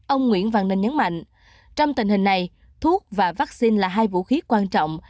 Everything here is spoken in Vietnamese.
ông nguyễn văn ninh nhấn mạnh trong tình hình này thuốc và vaccine là hai vũ khí quan trọng